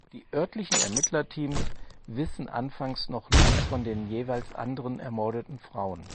Die örtlichen Ermittlerteams wissen anfangs noch nichts von den jeweils anderen ermordeten Frauen.